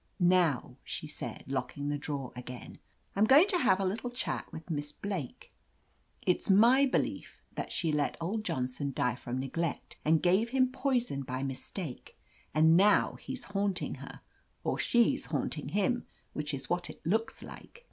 Now," she said, locking the drawer again, I'm going to have a little chat with Miss Blake. It's my belief that she let old Johnson die from neglect, or gave him poison by mis take. And now he's haunting her — or she's liaunting him, which is what it looks like."